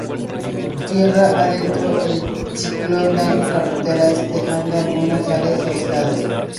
Tierra adentro, el ciclón dañó carreteras, dejando algunas áreas aisladas.